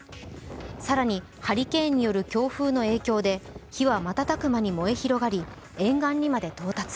更にハリケーンによる強風の影響で火は瞬く間に燃え広がり沿岸にまで到達。